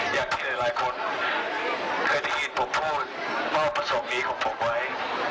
อย่างที่หลายคนเคยได้ยินผมพูดมอบประสงค์นี้ของผมไว้